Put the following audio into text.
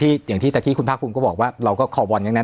อย่างที่ตะกี้คุณภาคภูมิก็บอกว่าเราก็ขอบอลอย่างนั้น